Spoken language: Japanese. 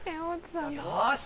よし！